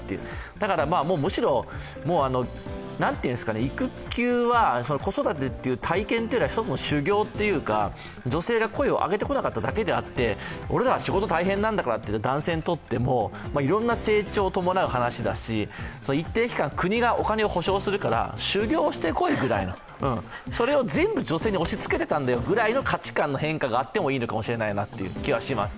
だからむしろ育休は子育てという体験というよりは一つの修業というか、女性が声を上げてこなかっただけであって俺ら、仕事大変なんだからって男性にとってもいろんな成長を伴う話だし、一定期間、国がお金を払うから修業してこいぐらいの、それを全部女性に押しつけてたんだよぐらいの価値観の変化があってもいいのかもしれないという気がします。